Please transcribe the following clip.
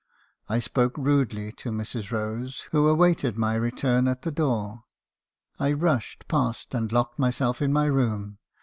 I spoke rudely to Mrs. Rose , who awaited my return at the door. I rushed past , and locked myself in my room.